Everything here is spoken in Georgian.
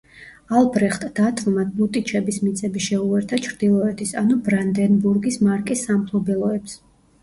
ალბრეხტ დათვმა ლუტიჩების მიწები შეუერთა ჩრდილოეთის ანუ ბრანდენბურგის მარკის სამფლობელოებს.